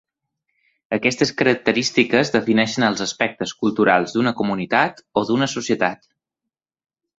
Aquestes característiques defineixen els aspectes culturals d'una comunitat o d'una societat.